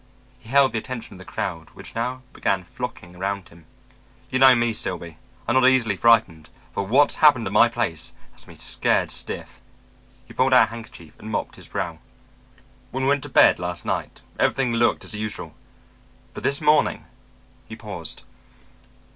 He held the attention of the crowd which now began flocking around him. "You know me, Silby; I'm not easily frightened; but what's happened at my place has me scared stiff." He pulled out a handkerchief and mopped his brow. "When we went to bed last night, everything looked as usual; but this morning...." He paused.